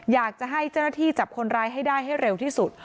อยากจะให้เจ้าหน้าที่จับคนร้ายให้ได้ให้เร็วที่สุด